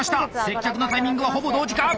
接客のタイミングはほぼ同時か。